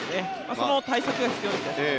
その対策が必要ですね。